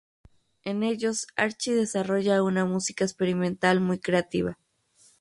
En ellos Archie desarrolla una música experimental muy creativa.